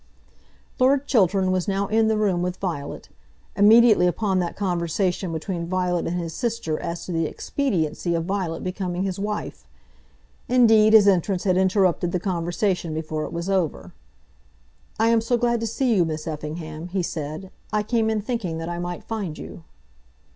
Lord Chiltern was now in the room with Violet, immediately upon that conversation between Violet and his sister as to the expediency of Violet becoming his wife. Indeed his entrance had interrupted the conversation before it was over. "I am so glad to see you, Miss Effingham," he said. "I came in thinking that I might find you."